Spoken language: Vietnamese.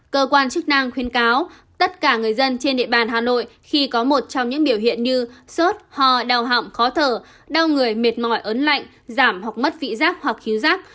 cơ quan chức năng khuyên cáo tất cả người dân trên địa bàn hà nội khi có một trong những biểu hiện như sốt hò đau hỏng khó thở đau người mệt mỏi ấn lạnh giảm hoặc mất vị giác hoặc khiếu giác